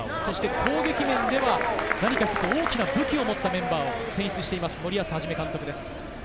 攻撃面では大きな武器を持ったメンバーを選出しています森保一監督です。